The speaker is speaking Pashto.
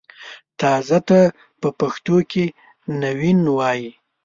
تازه ته په پښتو کښې نوين وايي